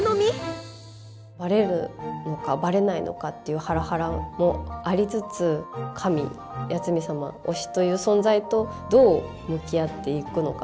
バレるのかバレないのかっていうハラハラもありつつ神八海サマ推しという存在とどう向き合っていくのかみたいな。